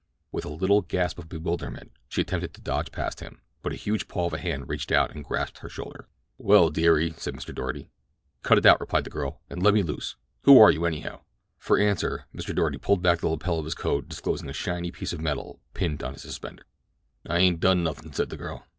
With a little gasp of bewilderment she attempted to dodge past him, but a huge paw of a hand reached out and grasped her shoulder. "Well dearie?" said Mr. Doarty. "Cut it out," replied the girl, "and le'me loose. Who are you anyhow?" For answer Mr. Doarty pulled back the lapel of his coat disclosing a shiny piece of metal pinned on his suspender. "I ain't done nothing," said the girl.